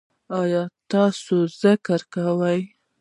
ایا تاسو ذکر کوئ؟